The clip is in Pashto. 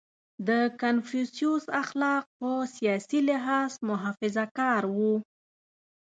• د کنفوسیوس اخلاق په سیاسي لحاظ محافظهکار وو.